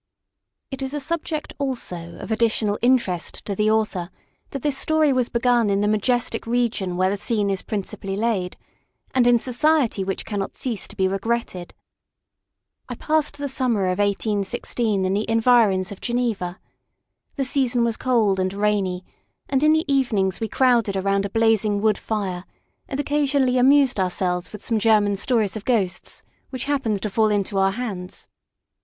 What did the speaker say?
It is a subject also of additional interest to the author that this story was begun in the majestic region where the scene is principally laid, and in society which cannot cease to be regretted. I passed the summer of 1816 in the environs of Geneva. The season was cold and rainy, and in the evenings we crowded around a blazing wood fire, and occasionally amused ourselves with some German stories of ghosts, which happened to fall into our hands.